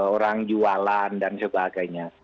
orang jualan dan sebagainya